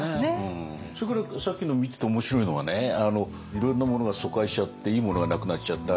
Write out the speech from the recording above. それからさっきの見てて面白いのはいろいろなものが疎開しちゃっていいものがなくなっちゃった。